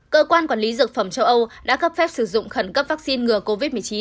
cơ quan quản lý dược phẩm châu âu đã cấp phép sử dụng khẩn cấp vaccine ngừa covid một mươi chín